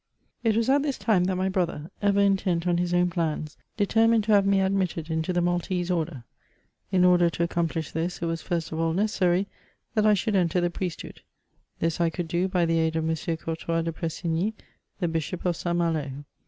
It was at this time that my brother, ever intent on his own plans, determined to have me admitted into the Maltese Order. In order to accomplish this, it was first of all necessary that I should 198 MEMOIRS OP enter the priesthood ; this I could do by the aid of M. CourtcHs de Pressigny, the Bishop of Saint Malo.